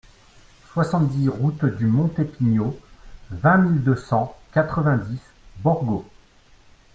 soixante-dix route du Monte Pigno, vingt mille deux cent quatre-vingt-dix Borgo